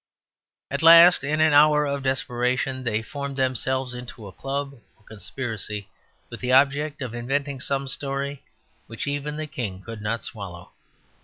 At last, in an hour of desperation, they formed themselves into a club or conspiracy with the object of inventing some story which even the king could not swallow.